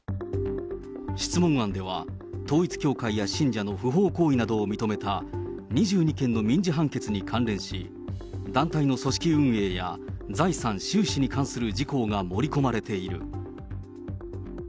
質問案では、統一教会や信者の不法行為などを認めた２２件の民事判決に関連し、団体の組織運営や財産・収支に関する事項が盛り込まれている。